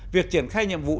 việc triển khai nhiệm vụ